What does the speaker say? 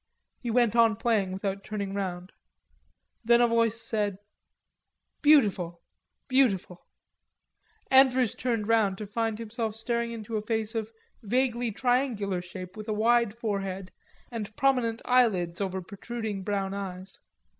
He went on playing without turning round. Then a voice said: "Beautiful, beautiful." Andrews turned to find himself staring into a face of vaguely triangular shape with a wide forehead and prominent eyelids over protruding brown eyes.